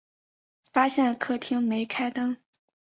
发现客厅没开灯